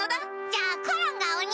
じゃあコロンがおに！